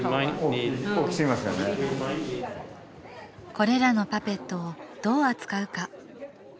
これらのパペットをどう扱うか。